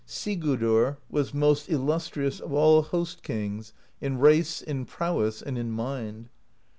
Sigurdr was most illustrious of all Host Kings in race, in prowess, and in mind.